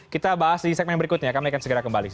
kita bahas di segmen berikutnya kami akan segera kembali